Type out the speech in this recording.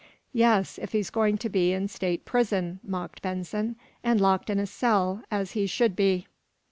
"Yes; if he's going to be in state prison," mocked Benson, "and locked in a cell, as he should be."